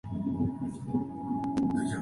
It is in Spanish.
Sería sucedido por Pedro Miranda Suárez de Puga.